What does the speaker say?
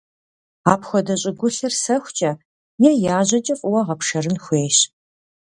Апхуэдэ щӀыгулъыр сэхукӀэ е яжьэкӀэ фӀыуэ гъэпшэрын хуейщ.